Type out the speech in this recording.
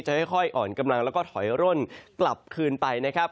ค่อยอ่อนกำลังแล้วก็ถอยร่นกลับคืนไปนะครับ